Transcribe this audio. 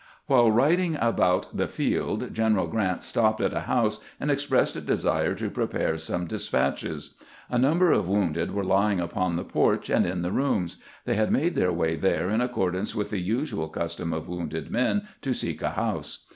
While riding about tbe field General Grant stopped at a bouse and expressed a desire to prepare some de spatches. A number of wounded were lying upon the porch and in the rooms ; they bad made their way tbere in accordance with the usual custom of wounded men to seek a house.